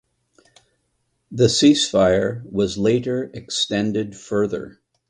The ceasefire was later extended further.